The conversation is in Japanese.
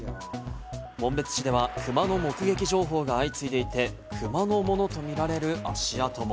紋別市ではクマの目撃情報が相次いでいて、クマのものとみられる足跡も。